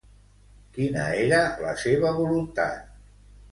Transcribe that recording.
Quina era la seva voluntat?